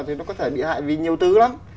thì nó có thể bị hại vì nhiều thứ lắm